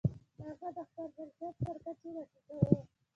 هغه د خپل ملکیت تر کچې را ټیټوو.